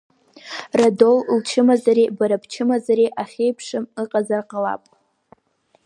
Радоу лчымазареи бара бчымазареи ахьеиԥшым ыҟазар ҟалап.